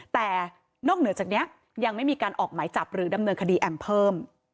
แต่นอกเหนือจากนี้ยังไม่มีการออกหมายจับหรือดำเนินคดีแอมเพิ่ม